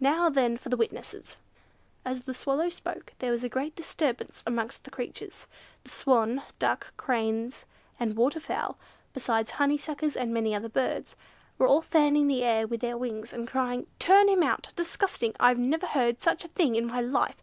Now then for the witnesses." As the Swallow spoke, there was a great disturbance amongst the creatures. The swan, ducks, cranes, and water fowl, besides honeysuckers, and many other birds, were all fanning the air with their wings, and crying, "Turn him out!" "Disgusting!" "I never heard of such a thing in my life!